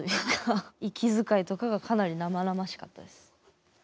息遣いとかがかなり生々しかったです。